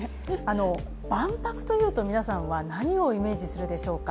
万博というと皆さんは何をイメージするでしょうか。